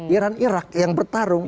iran irak yang bertarung